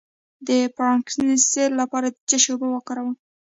د پارکینسن لپاره د څه شي اوبه وکاروم؟